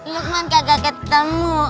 lukman kagak ketemu